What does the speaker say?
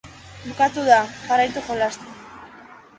Bukatu da! Jarraitu jolasten